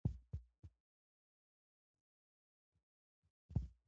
خلک د خپل ځان غلامان ګڼل ښه کار نه دئ.